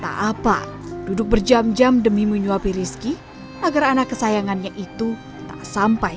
tak apa duduk berjam jam demi menyuapi rizky agar anak kesayangannya itu tak sampai